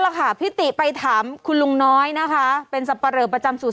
แล้วค่ะพิติไปถามคุณลุงน้อยนะฮะเป็นสัป่าระประจัมศู